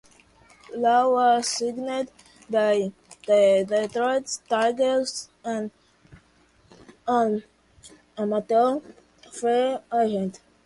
Lau was signed by the Detroit Tigers as an amateur free agent.